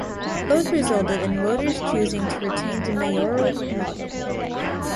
Both resulted in voters choosing to retain the mayoral model.